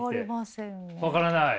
分からない？